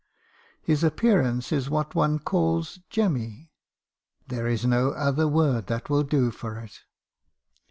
His appearance is what one calls 'jemmy:' there is no other word that will do for it.